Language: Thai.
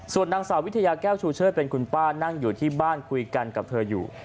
ส่วนนางสาววิทยาแก้วชูเชิดเป็นคุณป้านั่งอยู่ที่บ้านคุยกันกับเธออยู่